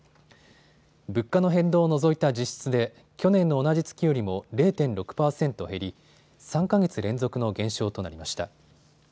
物価の変動を除いた実質で去年の同じ月よりも０．６％減り３か月連続の減少となりました。